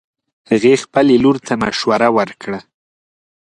هغې خبلې لور ته مشوره ورکړه